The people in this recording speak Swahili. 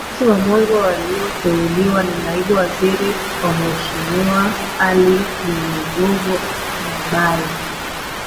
Viongozi wa mwanzo walio teuliwa ni Naibu Waziri wa Mhe Ali Mwinyigogo mabaye